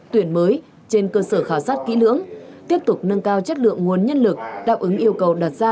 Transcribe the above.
tuyển mới trên cơ sở khảo sát kỹ lưỡng tiếp tục nâng cao chất lượng nguồn nhân lực đáp ứng yêu cầu đặt ra